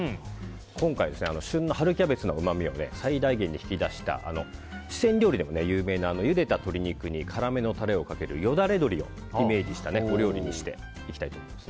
今回、旬の春キャベツのうまみを最大限に引き出した四川料理でも有名なゆでた鶏肉に辛めのタレをかけるよだれ鶏をイメージしたお料理にしていきたいと思います。